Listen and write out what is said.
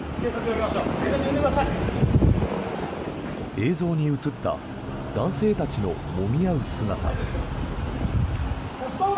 映像に映った男性たちのもみ合う姿。